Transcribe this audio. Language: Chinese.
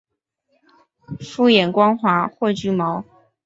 复眼光滑或具毛。